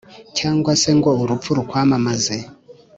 cyangwa se ngo urupfu rukwamamaze,